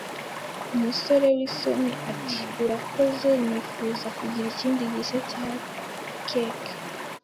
Umusore w'isoni ati: "Urakoze, nifuza kugira ikindi gice cya keke."